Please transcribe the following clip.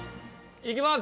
いきます！